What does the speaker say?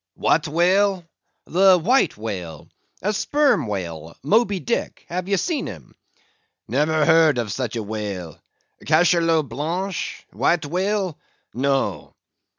"What whale?" "The White Whale—a Sperm Whale—Moby Dick, have ye seen him? "Never heard of such a whale. Cachalot Blanche! White Whale—no."